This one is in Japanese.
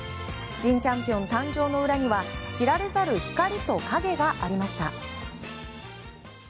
新チャンピオン誕生の裏には知られざる光と影がありました。